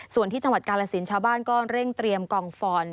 ส่วนที่จังหวัดกาลสินชาวบ้านก็เร่งเตรียมกองฟอน